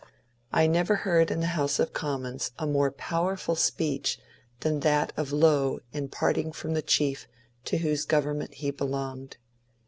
I never heard in the House of Commons a more powerful speech than that of Lowe in parting from the chief to whose government he belonged.